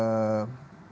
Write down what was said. dan dia kabur